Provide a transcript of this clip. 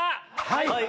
はい！